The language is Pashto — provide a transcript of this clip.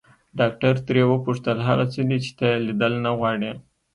ډاکټر ترې وپوښتل هغه څه دي چې ته يې ليدل نه غواړې.